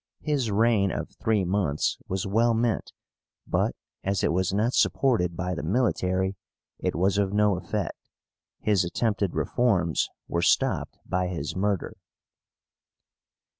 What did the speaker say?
His reign of three months was well meant, but as it was not supported by the military it was of no effect. His attempted reforms were stopped by his murder.